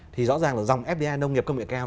thì rõ ràng là dòng fdi nông nghiệp công nghệ cao